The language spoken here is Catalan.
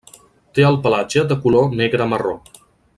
Té el pelatge de color negre-marró.